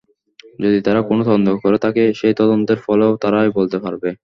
যদি তারা কোনো তদন্ত করে থাকে সেই তদন্তের ফলও তারাই বলতে পারবে।